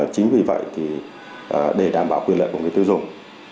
chính vì vậy để đảm bảo quyền lợi của người tiêu dùng